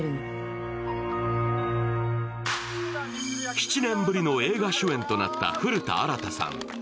７年ぶりの映画主演となった古田新太さん。